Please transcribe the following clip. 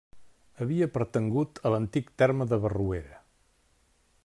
Havia pertangut a l'antic terme de Barruera.